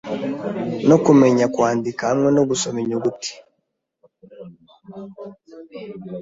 no kumenya kwandika hamwe no gusoma inyuguti;